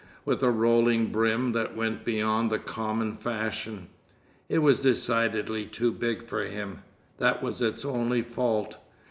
with a rolling brim that went beyond the common fashion. It was decidedly too big for him—that was its only fault.